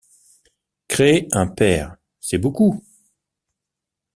Créer un pair, c’est beaucoup.